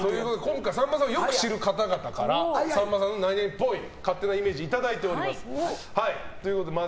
今回、さんまさんをよく知る方々からさんまさんの○○っぽい勝手なイメージいただいております。